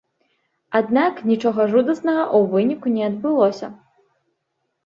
Аднак нічога жудаснага ў выніку не адбылося.